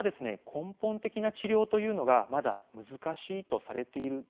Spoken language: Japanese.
根本的な治療というのがまだ難しいとされているだけにですね